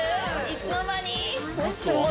いつの間に？